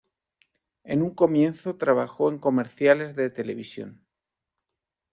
En un comienzo trabajó en comerciales de televisión.